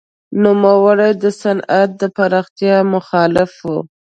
نوموړی د صنعت د پراختیا مخالف و.